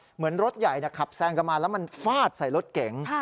เหมือนรถใหญ่ขับแซงกันมาแล้วมันฟาดใส่รถเก๋ง